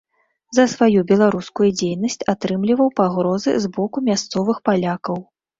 За сваю беларускую дзейнасць атрымліваў пагрозы з боку мясцовых палякаў.